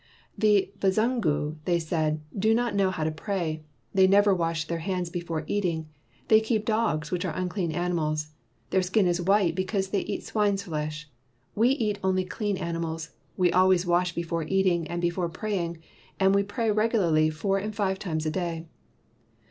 "The Bazungu/' they said, "do not know how to pray. They never wash their hands before eating. They keep dogs which are unclean animals. Their skin is white be cause they eat swine's flesh. We eat only clean animals, we always wash before eating and before praying, and we pray regularly four and five times a day."